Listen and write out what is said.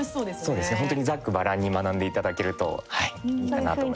そうですね、本当にざっくばらんに学んでいただけるといいかなと思います。